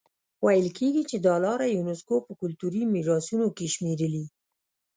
ویل کېږي چې دا لاره یونیسکو په کلتوري میراثونو کې شمېرلي.